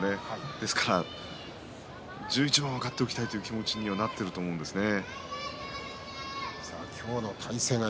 ですから１１番は勝っておきたいという気持ちにはなっていると思うんですね。